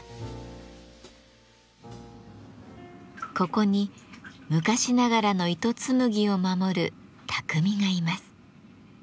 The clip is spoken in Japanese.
ここに昔ながらの糸紡ぎを守る匠がいます。